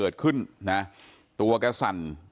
ซึ่งไม่ได้เจอกันบ่อย